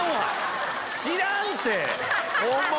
知らんて！